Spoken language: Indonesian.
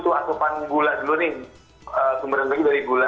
itu asupan gula dulu nih sumberan gula